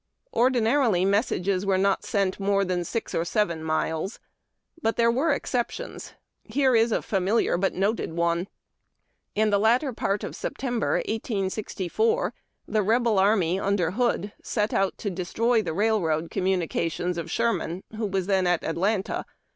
Ordinarily, messages were not sent more than six or seven miles, but there were exceptions. Here is a familiar but noted one: — In the latter part of September, 1864, the Rebel army under Hood set out to destroy the railroad communications of Sherman, who was then at Atlanta.